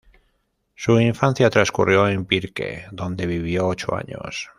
Su infancia transcurrió en Pirque, donde vivió ocho años.